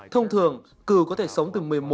thông thường cựu có thể sống tự nhiên